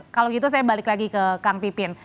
kalau gitu saya balik lagi ke kang pipin